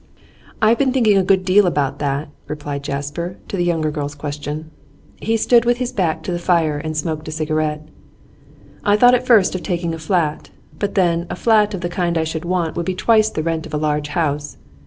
'I have been thinking a good deal about that,' replied Jasper to the younger girl's question. He stood with his back to the fire and smoked a cigarette. 'I thought at first of taking a flat; but then a flat of the kind I should want would be twice the rent of a large house.